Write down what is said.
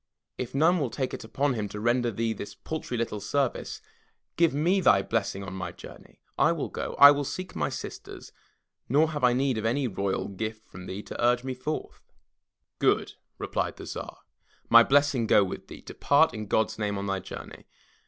if none will take it upon him to render thee this paltry little service, give me thy blessing on my journey. I will go, I will seek my sisters, nor have I need of any royal gift from thee to urge me forth." 29 M Y BOOK HOUSE "Good!'' replied the Tsar, "my blessing go with thee. Depart in God's name on thy journey.